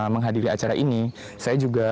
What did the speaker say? menghadiri acara ini saya juga